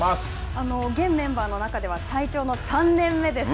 現メンバーの中では最長の３年目です。